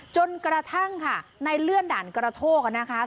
จนกระทั่งค่ะในเลื่อนด่านกระโทกนะคะ